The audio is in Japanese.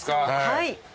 はい。